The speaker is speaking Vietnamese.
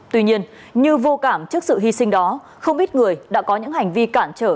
tuy nhiên như vô cảm trước sự hy sinh đó không ít người đã có những hành vi cản trở